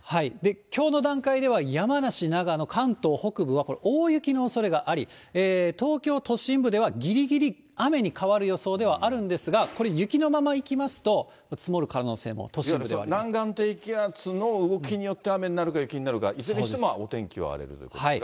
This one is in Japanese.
きょうの段階では山梨、長野、関東北部はこれ、大雪のおそれがあり、東京都心部ではぎりぎり雨に変わる予想ではあるんですが、これ、雪のままいきますと、いわゆる南岸低気圧の動きによって、雨になるか、雪になるか、いずれにしてもお天気は荒れるということですね。